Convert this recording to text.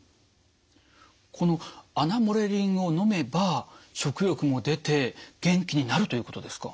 このアナモレリンをのめば食欲も出て元気になるということですか？